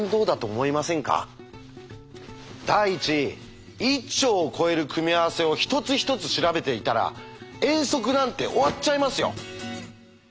第一１兆を超える組み合わせを一つ一つ調べていたら遠足なんて終わっちゃいますよ。